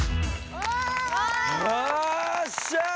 よっしゃ！